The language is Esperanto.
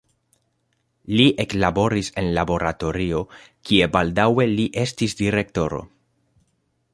Li eklaboris en laboratorio, kie baldaŭe li estis direktoro.